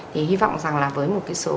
thì hy vọng rằng là với một cái số